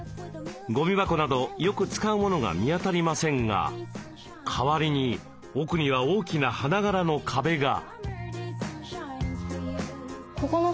ゴミ箱などよく使うモノが見当たりませんが代わりに奥には大きな花柄の壁が。